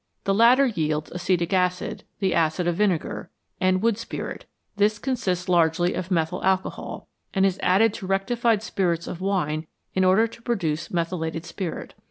The latter yields acetic acid the acid of vinegar and wood spirit ; this consists largely of methyl alcohol, and is added to rectified spirits of wine in order to produce methylated spirit.